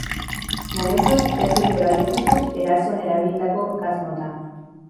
Momentuz ez dute baieztatu erasoan erabilitako gas mota.